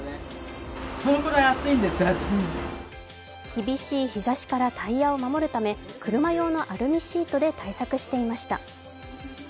厳しい日ざしからタイヤを守るため車用のアルミシートで対策していました。